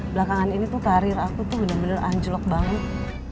belakangan ini tuh karir aku tuh bener bener anjlok banget